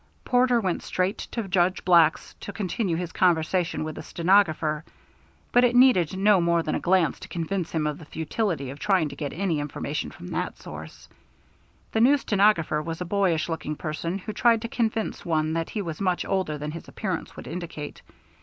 Porter went straight to Judge Black's to continue his conversation with the stenographer, but it needed no more than a glance to convince him of the futility of trying to get any information from that source. The new stenographer was a boyish looking person who tried to convince one that he was much older than his appearance would indicate.